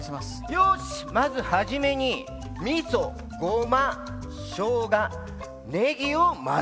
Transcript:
よしまず初めに味噌ごましょうがねぎを混ぜろ。